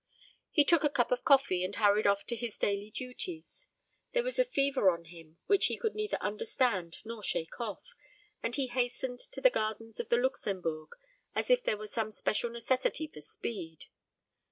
He took a cup of coffee, and hurried off to his daily duties. There was a fever on him which he could neither understand nor shake off, and he hastened to the gardens of the Luxembourg, as if there were some special necessity for speed.